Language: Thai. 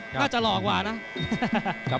น่าจะหลอกกว่านะ